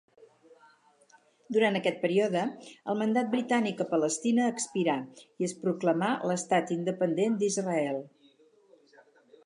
Durant aquest període, el mandat britànic a Palestina expirà i es proclamà l'Estat Independent d'Israel.